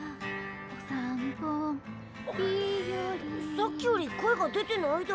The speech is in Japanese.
さっきより声が出てないだ。